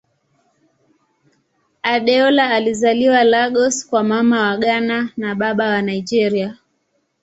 Adeola alizaliwa Lagos kwa Mama wa Ghana na Baba wa Nigeria.